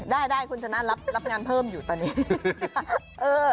ได้คุณชนะรับงานเพิ่มอยู่ตอนนี้